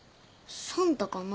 サンタかな？